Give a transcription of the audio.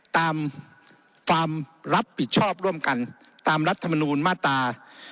ตามความรับผิดชอบร่วมกันตามรัฐมนูลมาตรา